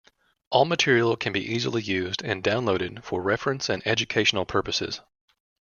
All material can be easily used and downloaded for reference and educational purposes.